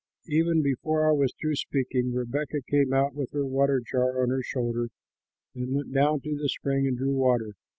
"Even before I was through speaking, Rebekah came out with her water jar on her shoulder and went down to the spring and drew water.